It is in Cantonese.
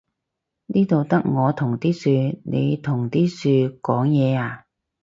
呢度得我同啲樹，你同啲樹講嘢呀？